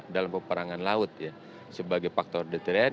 dalam peperangan laut ya sebagai faktor deteren